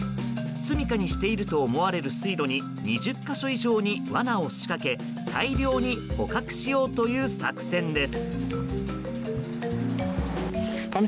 住処にしていると思われる水路に２０か所以上に大量に捕獲しようという作戦です。